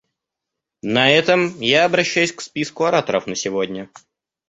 На этом я обращаюсь к списку ораторов на сегодня.